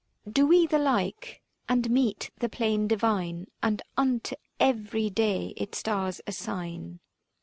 Do we the like ; and mete the plain divine, And unto every day its stars assign.